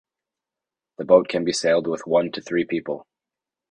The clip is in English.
The boat can be sailed with one to three people.